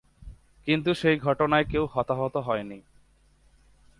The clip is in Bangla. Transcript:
কিন্তু সেই ঘটনায় কেউ হতাহত হননি।